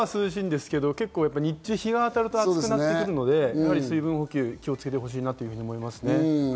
日が当たると暑くなってくるので、水分補給、気をつけてほしいなと思いますね。